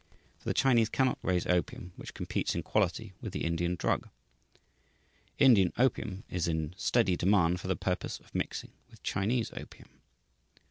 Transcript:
For the Chinese cannot raise opium which competes in quality with the Indian drug. Indian opium is in steady demand for the purpose of mixing with Chinese opium.